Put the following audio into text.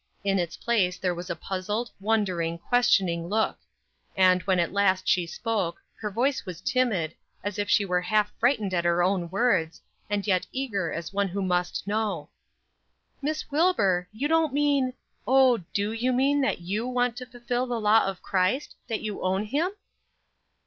In its place there was a puzzled, wondering, questioning look. And, when at last she spoke, her voice was timid, as if she were half frightened at her own words, and yet eager as one who must know: "Miss Wilbur, you don't mean oh, do you mean that you want to fulfill the law of Christ; that you own him?"